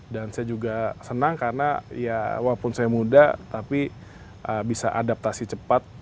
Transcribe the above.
dan saya juga senang karena ya walaupun saya muda tapi bisa adaptasi cepat